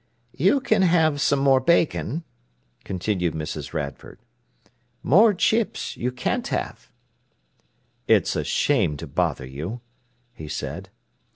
"You can have some more bacon," continued Mrs. Radford. "More chips you can't have." "It's a shame to bother you," he said.